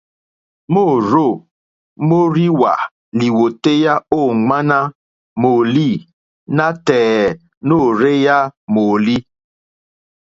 Môrzô mórzìwà lìwòtéyá ô ŋwáɲá mòòlî nátɛ̀ɛ̀ nôrzéyá mòòlí.